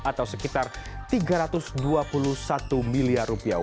atau sekitar tiga ratus dua puluh satu miliar rupiah